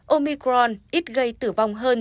omicron ít gây tử vong hơn